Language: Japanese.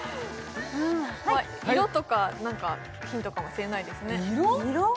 色とかなんかヒントかもしれないですね色？